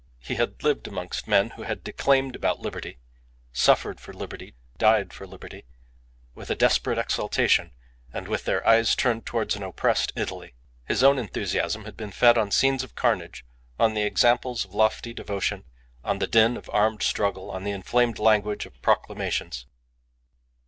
He had lived amongst men who had declaimed about liberty, suffered for liberty, died for liberty, with a desperate exaltation, and with their eyes turned towards an oppressed Italy. His own enthusiasm had been fed on scenes of carnage, on the examples of lofty devotion, on the din of armed struggle, on the inflamed language of proclamations.